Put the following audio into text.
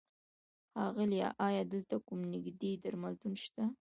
ښاغيله! ايا دلته کوم نيږدې درملتون شته؟